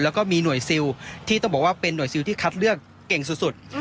แล้วก็มีหน่วยซิลที่ต้องบอกว่าเป็นหน่วยซิลที่คัดเลือกเก่งสุด